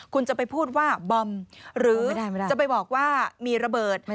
คุณจะไปพูดว่าบอมหรือจะไปบอกว่ามีระเบิด